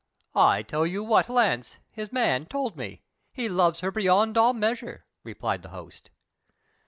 "I tell you what Launce, his man, told me he loves her beyond all measure," replied the host.